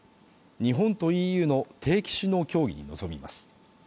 日本とＥＵの定期首脳協議に臨みます。